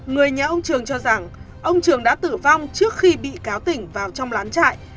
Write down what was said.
người nhà ông trường cho rằng ông trường đã tử vong trước khi bị cáo tỉnh vào trong lán trại